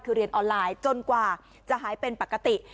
คือเรียนออนไลน์จนกว่าจะหายเป็นปกติ